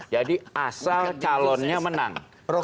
jadi asal calonnya menang